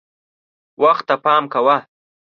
وخت ته پام کوه .